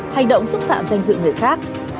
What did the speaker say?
hay động xúc phạm danh dự người khác